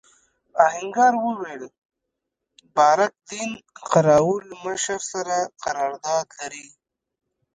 آهنګر وویل بارک دین قراوول مشر سره قرارداد لري.